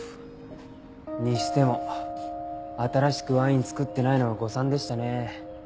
にしても新しくワイン造ってないのは誤算でしたね。